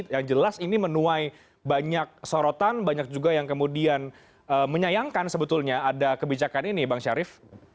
yang jelas ini menuai banyak sorotan banyak juga yang kemudian menyayangkan sebetulnya ada kebijakan ini bang syarif